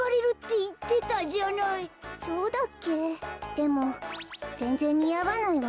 でもぜんぜんにあわないわ。